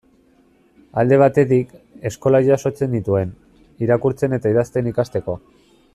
Alde batetik, eskolak jasotzen nituen, irakurtzen eta idazten ikasteko.